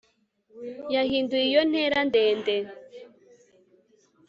Yahinduye iyo ntera ndende